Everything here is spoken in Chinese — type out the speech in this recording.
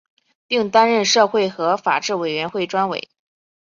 并担任社会和法制委员会专委。